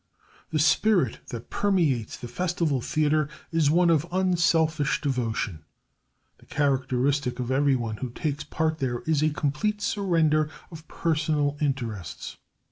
The spirit that permeates the Festival Theater is one of unselfish devotion. The characteristic of everyone who takes part there is a complete surrender of personal interests.